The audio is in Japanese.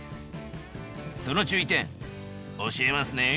その注意点教えますね。